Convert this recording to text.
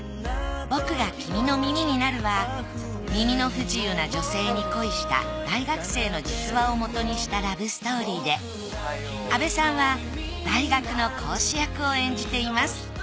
『僕が君の耳になる』は耳の不自由な女性に恋した大学生の実話をもとにしたラブストーリーで阿部さんは大学の講師役を演じています